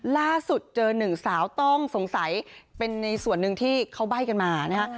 ล่าสุดเจอหนึ่งสาวต้องสงสัยเป็นในส่วนหนึ่งที่เขาใบ้กันมานะฮะ